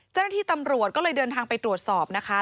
เจ้าหน้าที่ตำรวจก็เลยเดินทางไปตรวจสอบนะคะ